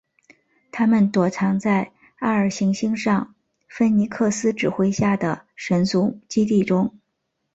他们躲藏在艾尔行星上芬尼克斯指挥下的神族基地中。